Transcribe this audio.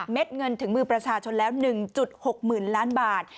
เม็ดเงินถึงมือประชาชนแล้ว๑๖หมื่นล้านบาท